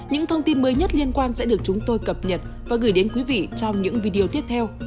những thông tin mới nhất liên quan sẽ được chúng tôi cập nhật và gửi đến quý vị trong những video tiếp theo